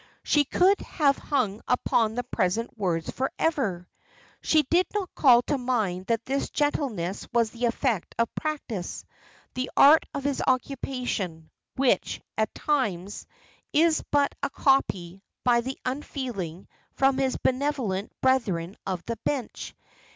She could have hung upon the present words for ever! She did not call to mind that this gentleness was the effect of practice, the art of his occupation: which, at times, is but a copy, by the unfeeling, from his benevolent brethren of the bench.